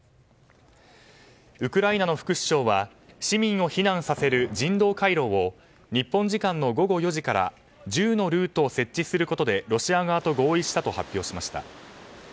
ウクライナの副首相は市民を避難させる人道回廊を日本時間の午後４時から１０のルートを設置することでロシア側と合意したと発表しました。